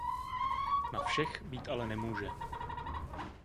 Na všech být ale nemůže.